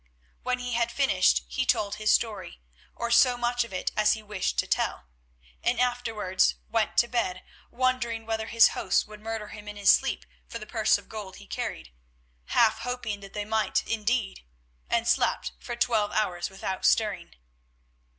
When he had finished he told his story, or so much of it as he wished to tell, and afterwards went to bed wondering whether his hosts would murder him in his sleep for the purse of gold he carried, half hoping that they might indeed, and slept for twelve hours without stirring.